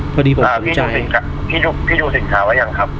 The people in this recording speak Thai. พี่ดูสิ่งสาวหรือยัง